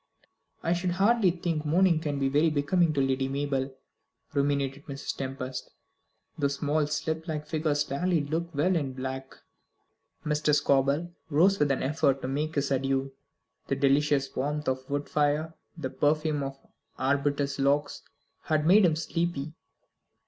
"I should hardly think mourning can be very becoming to Lady Mabel," ruminated Mrs. Tempest. "Those small sylph like figures rarely look well in black." Mr. Scobel rose with an effort to make his adieux. The delicious warmth of the wood fire, the perfume of arbutus logs, had made him sleepy.